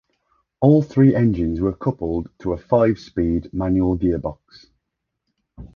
All three engines were coupled to a five-speed manual gearbox.